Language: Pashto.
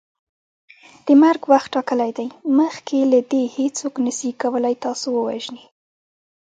د مرګ وخت ټاکلی دی مخکي له دې هیڅوک نسي کولی تاسو ووژني